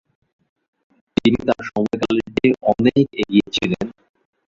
তিনি তার সময়কালের থেকে অনেক এগিয়ে ছিলেন।